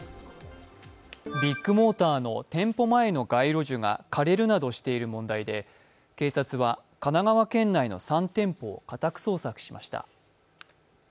ビッグモーターの店舗前の街路樹が枯れるなどしている問題で警察は神奈川県内の３店舗を家宅捜索しました。